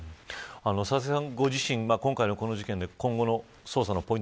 佐々木さん、今回の事件で今後の捜査のポイント